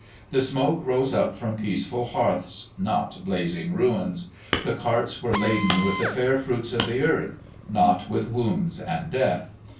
The smoke rose up from peaceful hearths, not blazing ruins. The carts were laden with the fair fruits of the earth, not with wounds and death.